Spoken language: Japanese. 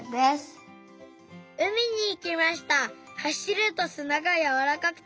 海にいきました。